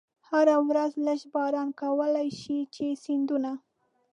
هره ورځ لږ باران کولای شي چې سیندونه.